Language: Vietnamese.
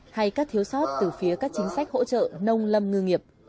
hay các thiếu sót từ phía các chính sách hỗ trợ nông lâm ngư nghiệp